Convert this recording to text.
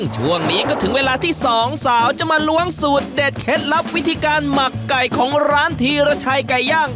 ช่วงนี้ก็ถึงเวลาที่สองสาวจะมาล้วงสูตรเด็ดเคล็ดลับวิธีการหมักไก่ของร้านธีรชัยไก่ย่าง